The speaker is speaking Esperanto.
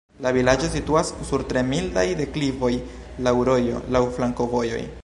La vilaĝo situas sur tre mildaj deklivoj, laŭ rojo, laŭ flankovojoj.